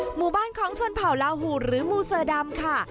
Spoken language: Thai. หมู่บ้านของชนเผ่าลาหูดหรือมูเซอร์ดำค่ะ